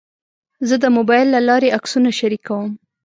زه د موبایل له لارې عکسونه شریکوم.